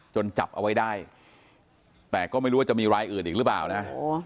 จับเอาไว้ได้แต่ก็ไม่รู้ว่าจะมีรายอื่นอีกหรือเปล่านะ